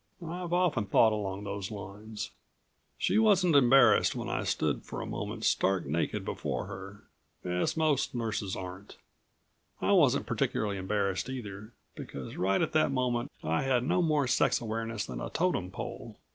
"I've often thought along those lines." She wasn't embarrassed when I stood for a moment stark naked before her, as most nurses aren't. I wasn't particularly embarrassed either, because right at that moment I had no more sex awareness than a totem pole.